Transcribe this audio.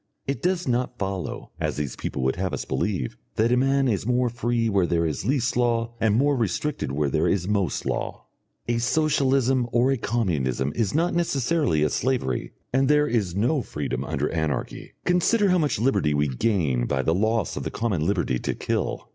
It does not follow, as these people would have us believe, that a man is more free where there is least law and more restricted where there is most law. A socialism or a communism is not necessarily a slavery, and there is no freedom under Anarchy. Consider how much liberty we gain by the loss of the common liberty to kill.